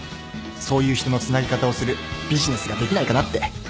そういう人のつなげ方をするビジネスができないかなって